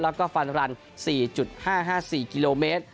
แล้วก็ฟันรัน๔๕๕๔กิโลเมตร